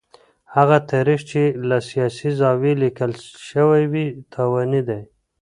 هغه تاريخ چي له سياسي زاويې ليکل شوی وي تاواني دی.